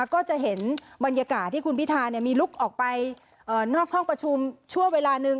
ก็จะเห็นบรรยากาศที่คุณพิธามีลุกออกไปนอกห้องประชุมชั่วเวลาหนึ่ง